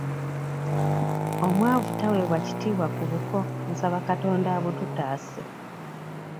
Omwavu taweebwa kitiibwa ku buko nsaba Katonda abututaase.